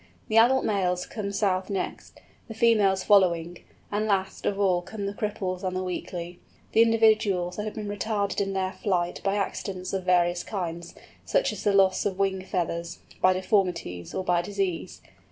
The adult males come south next; the females following; and last of all come the cripples and the weakly—the individuals that have been retarded in their flight by accidents of various kinds, such as the loss of wing feathers, by deformities, or by disease.